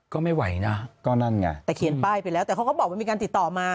ก็ไม่ไหวนะก็นั่นไงแต่เขียนป้ายไปแล้วแต่เขาก็บอกว่ามีการติดต่อมา